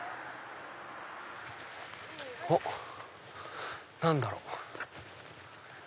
おっ何だろう？